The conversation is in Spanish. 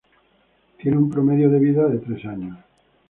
Tienen un promedio de vida de tres años.